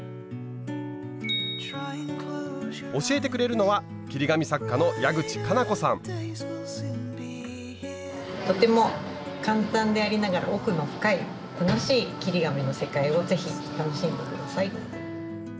教えてくれるのはとても簡単でありながら奥の深い楽しい切り紙の世界をぜひ楽しんで下さい。